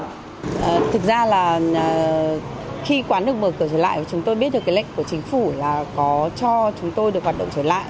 thực ra là khi quán được mở cửa trở lại thì chúng tôi biết được cái lệnh của chính phủ là có cho chúng tôi được hoạt động trở lại